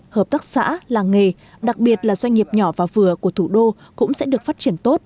hợp tác xã làng nghề đặc biệt là doanh nghiệp nhỏ và vừa của thủ đô cũng sẽ được phát triển tốt